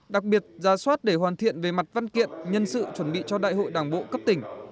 đặc biệt ra soát để hoàn thiện về mặt văn kiện nhân sự chuẩn bị cho đại hội đảng bộ cấp tỉnh